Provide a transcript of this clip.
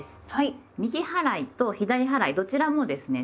右払いと左払いどちらもですね